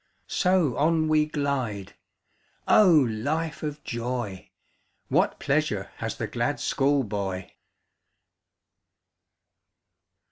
So on we glide O, life of joy; What pleasure has the glad school boy!